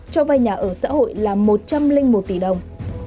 cho vay nhà ở xã hội là một trăm linh một tỷ đồng